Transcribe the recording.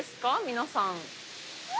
皆さん。